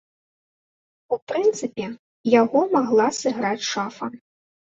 У прынцыпе, яго магла сыграць шафа.